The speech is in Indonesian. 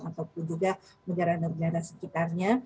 ataupun juga negara negara sekitarnya